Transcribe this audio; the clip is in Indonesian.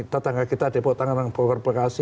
tetangga kita di potongan bogor bekasi